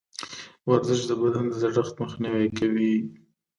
ورزش د بدن د زړښت مخنیوی کوي.